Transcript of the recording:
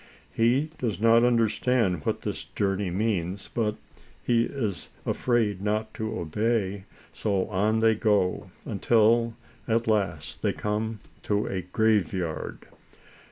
He does not understand what this journey means, but he is afraid not to obey, so on they go, until, at last, they come to a grave yard.